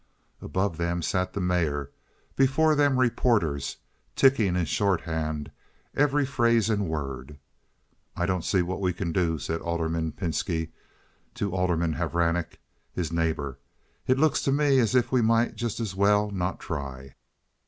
Above them sat the mayor, before them reporters, ticking in shorthand every phrase and word. "I don't see what we can do," said Alderman Pinski to Alderman Hvranek, his neighbor. "It looks to me as if we might just as well not try."